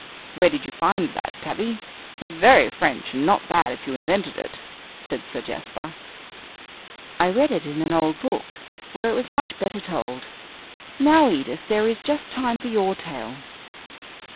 "Where did you find that, Tavie? It's very French, and not bad if you invented it," said Sir Jasper. "I read it in an old book, where it was much better told. Now, Edith, there is just time for your tale."